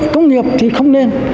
công nghiệp thì không nên